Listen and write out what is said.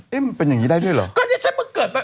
มันเป็นอย่างนี้ได้ด้วยเหรอก็เนี่ยฉันเพิ่งเกิดมา